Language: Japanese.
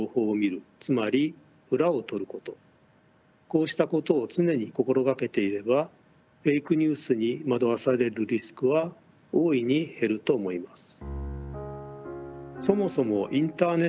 こうしたことを常に心掛けていればフェイクニュースに惑わされるリスクは大いに減ると思います。